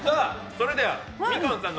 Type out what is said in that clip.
それではみかんさんの